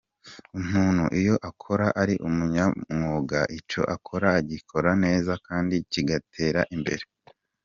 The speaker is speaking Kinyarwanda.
Umuntu iyo akora ari umunyamwuga icyo akora agikora neza kandi kigatera imbere.